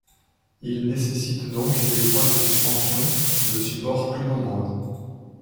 Il nécessite donc des points de suspension, de support plus nombreux.